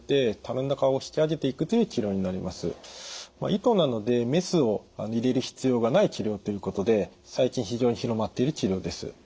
糸なのでメスを入れる必要がない治療ということで最近非常に広まっている治療です。